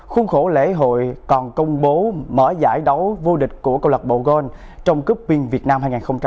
khuôn khổ lễ hội còn công bố mở giải đấu vô địch của cộng lạc bộ gold trong cúp viên việt nam hai nghìn hai mươi ba